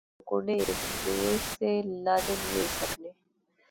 جیاں دریا نے دو کنڈے ہیک دوے سے لادے نئیں ہوئی سکنے